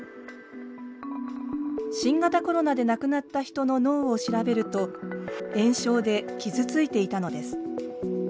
新型コロナで亡くなった人の脳を調べると炎症で傷ついていたのです。